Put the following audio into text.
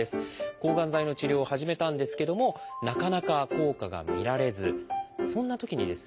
抗がん剤の治療を始めたんですけどもなかなか効果が見られずそんなときにですね